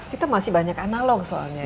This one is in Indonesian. kita masih banyak analog soalnya